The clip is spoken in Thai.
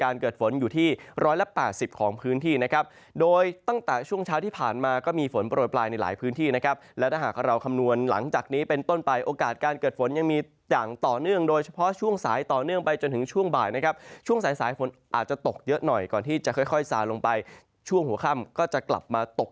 เกิดฝนอยู่ที่๑๘๐ของพื้นที่นะครับโดยตั้งแต่ช่วงเช้าที่ผ่านมาก็มีฝนโปรยปลายในหลายพื้นที่นะครับและถ้าหากเราคำนวณหลังจากนี้เป็นต้นไปโอกาสการเกิดฝนยังมีอย่างต่อเนื่องโดยเฉพาะช่วงสายต่อเนื่องไปจนถึงช่วงบ่ายนะครับช่วงสายสายฝนอาจจะตกเยอะหน่อยก่อนที่จะค่อยสายลงไปช่วงหัวค่ำก็จะกลับมาตก